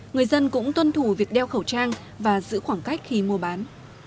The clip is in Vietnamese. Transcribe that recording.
người dân cũng tuân thủ việc đeo khẩu trang và giữ khoảng cách khi mua bán